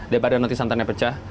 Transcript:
daripada nanti santannya pecah